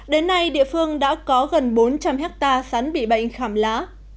đến nay địa phương đã có gần bốn trăm linh hectare sắn bị bệnh khảm lá